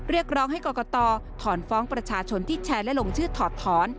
เรียกร้องให้กรกตถอนฟ้องประชาชนที่แชร์และลงชื่อถอดถอน